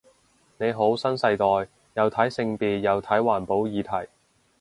你好新世代，又睇性別又睇環保議題